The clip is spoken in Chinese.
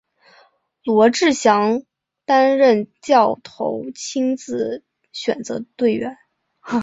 罗志祥担任教头亲自选择队员。